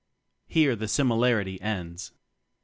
Here the similarity ends.